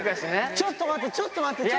ちょっと待って、ちょっと待って。